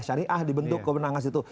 syariah dibentuk kebenangan situ